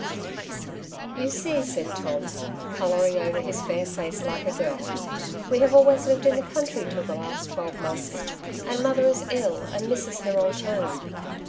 32 " Two Sides to every Question^ " Tou see,^' said Tom, colouring over liis fair face like a girl, '* we have always lived in the country till the last twelve months, and mother is ill, and misses her old home.